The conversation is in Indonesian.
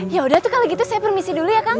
ya udah kalau begitu saya permisi dulu ya kang